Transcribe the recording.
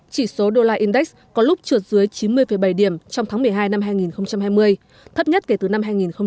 chỉ số usd có lúc trượt dưới chín mươi bảy điểm trong tháng một mươi hai năm hai nghìn hai mươi thấp nhất kể từ năm hai nghìn một mươi tám